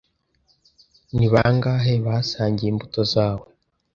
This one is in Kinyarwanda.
Ni bangahe basangiye imbuto zawe?